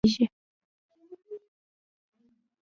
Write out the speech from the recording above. چمتووالی پر نفس د باور لامل کېږي.